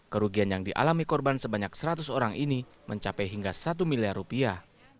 kerugian yang dialami korban sebanyak seratus orang ini mencapai hingga satu miliar rupiah